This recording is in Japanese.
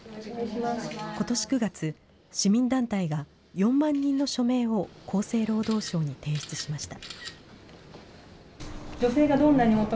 ことし９月、市民団体が４万人の署名を厚生労働省に提出しました。